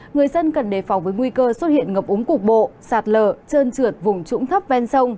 người dân cần đề phòng với nguy cơ xuất hiện ngập úng cục bộ sạt lở trơn trượt vùng trũng thấp ven sông